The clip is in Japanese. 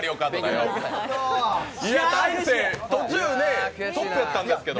大晴、途中ね、トップやったんですけど。